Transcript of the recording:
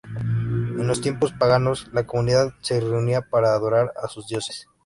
En los tiempos paganos, la comunidad se reunía para adorar a sus dioses.